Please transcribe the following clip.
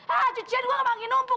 ah cucian gue gak panggil numpuk